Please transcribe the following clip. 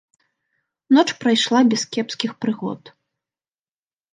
Ноч прайшла без кепскіх прыгод.